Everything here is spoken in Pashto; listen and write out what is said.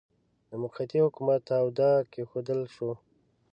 د موقتي حکومت تاداو کښېښودل شو.